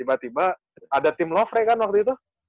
tiba tiba ada tim loverei kan waktu itu